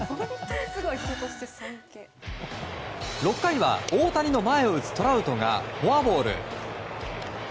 ６回は大谷の前を打つトラウトがフォアボール。